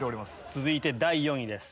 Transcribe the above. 続いて第４位です